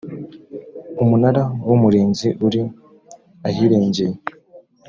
umunara w umurinzi uri ahirengeye